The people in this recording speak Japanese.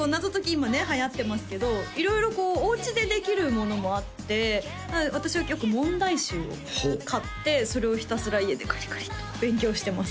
今ねはやってますけど色々お家でできるものもあって私はよく問題集を買ってそれをひたすら家でカリカリと勉強してます